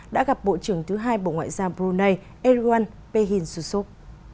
đã gặp bộ trưởng thứ hai bộ ngoại giao brunei erdogan behin susup